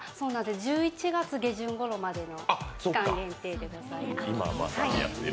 １１月下旬ごろまでの期間限定でございます。